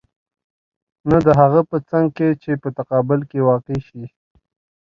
نه د هغه په څنګ کې چې په تقابل کې واقع شي.